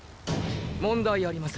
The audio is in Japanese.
問題ありません